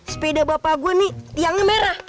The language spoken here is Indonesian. sepeda bapak gue nih tiangnya merah